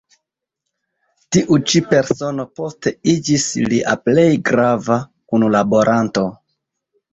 Tiu ĉi persono poste iĝis lia plej grava kunlaboranto.